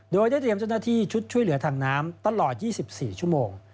โดยได้เตรียมเจ้าหน้าที่ชุดช่วยเหลือทางน้ำตลอด๒๔ชั่วโมง